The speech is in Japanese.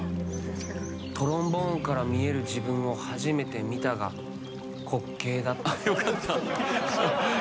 トロンボーンから見える自分を初めて見たが滑稽だった。